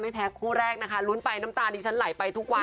แพ้คู่แรกนะคะลุ้นไปน้ำตาดิฉันไหลไปทุกวัน